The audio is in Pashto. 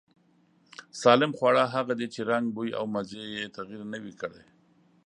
سالم خواړه هغه دي چې رنگ، بوی او مزې يې تغير نه وي کړی.